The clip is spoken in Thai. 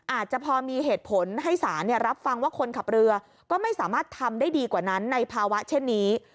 อาจจะพอมีเหตุผลให้สารรับฟังว่าคนขับเรือก็ไม่สามารถทำได้ดีกว่านั้นในภาวะเช่นนี้